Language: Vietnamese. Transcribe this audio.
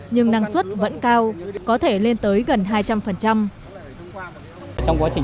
nhưng năng suất vẫn cao có thể lên tới gần hai trăm linh